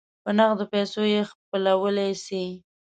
په نغدو پیسو یې خپلولای سی.